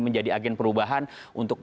menjadi agen perubahan untuk